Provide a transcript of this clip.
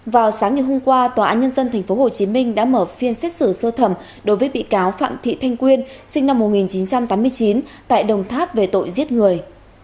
vào sáng ngày hôm qua tòa án nhân dân tp hcm đã mở phiên xét xử sơ thẩm đối với bị cáo phạm thị thanh quyên sinh năm một nghìn chín trăm tám mươi chín tại đồng tháp về tội giết người